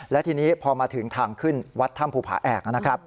และทีนี้พอมาถึงทางขึ้นวัดถ้ำภูผาแอกนะครับ